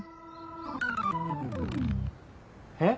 えっ？